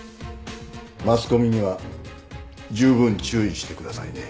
マスコミにはじゅうぶん注意してくださいね